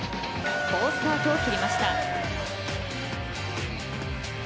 好スタートを切りました。